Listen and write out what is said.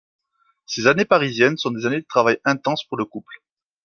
Ces années parisiennes sont des années de travail intense pour le couple.